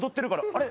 あれ？